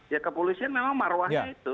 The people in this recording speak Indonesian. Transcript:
ya kepolisian memang marwahnya itu